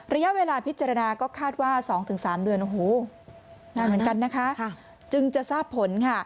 ระยะเวลาพิจารณาคาดว่า๒๓เดือนจึงจะทราบผล